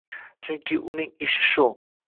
Chunki uning ishi shu